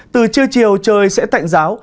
từ chiều chiều trời sẽ tạnh giáo